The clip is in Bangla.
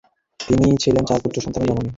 তিনি ছিলেন চার পুত্র সন্তানের জননী।